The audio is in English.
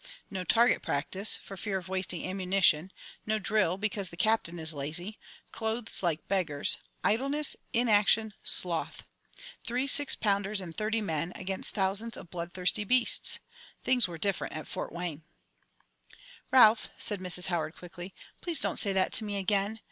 No target practice, for fear of wasting ammunition; no drill, because the Captain is lazy; clothes like beggars idleness, inaction, sloth! Three six pounders and thirty men, against thousands of bloodthirsty beasts! Things were different at Fort Wayne!" "Ralph," said Mrs. Howard, quickly, "please don't say that to me again.